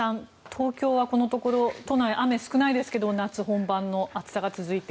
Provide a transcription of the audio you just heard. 東京はこのところ都内、雨が少ないですが夏本番の暑さが続いて。